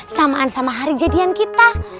samaan sama hari jadian kita